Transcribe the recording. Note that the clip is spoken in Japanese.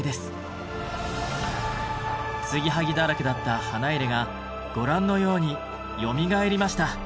継ぎはぎだらけだった花入がご覧のようによみがえりました。